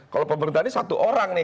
kalau pemerintah ini satu orang nih